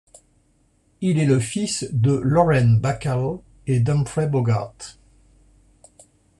Il est le fils de Lauren Bacall et d'Humphrey Bogart.